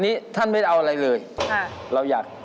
น้องแป้งลูกสาว